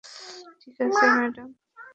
ঠিক আছে, ম্যাডাম।